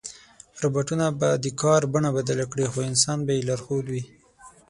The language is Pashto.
روباټونه به د کار بڼه بدله کړي، خو انسان به یې لارښود وي.